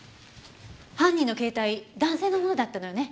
犯人の携帯男性のものだったのよね？